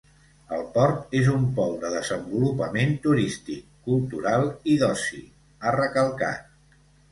El port és un pol de desenvolupament turístic, cultural i d’oci, ha recalcat.